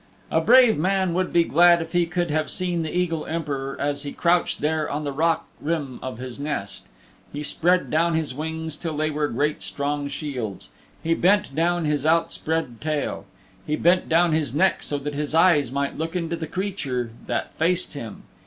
A brave man would be glad if he could have seen the Eagle Emperor as he crouched there on the rock rim of his nest. He spread down his wings till they were great strong shields. He bent down his outspread tail. He bent down his neck so that his eyes might look into the creature that faced him.